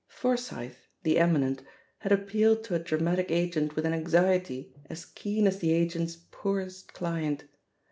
Forsyth, the eminent, had appealed to a dramatic agent with an anxiety as keen as the agent's poorest client.